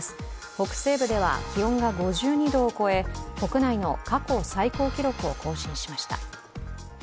北西部では、気温が５２度を超え国内の過去最高記録を更新しました。